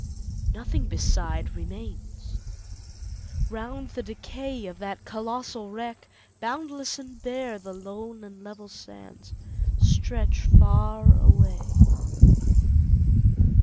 Nothing beside remains. Round the decay Of that colossal wreck, boundless and bare The lone and level sands stretch far away.